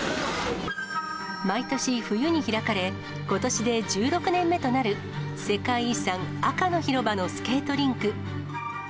毎年冬に開かれ、ことしで１６年目となる世界遺産、赤の広場のスケートリンク。